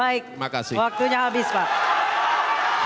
baik waktunya habis pak